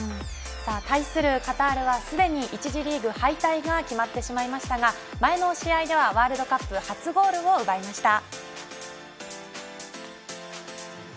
対するカタールはすでに１次リーグ敗退が決まってしまいましたが前の試合ではワールドカップ初ゴールを奪いました。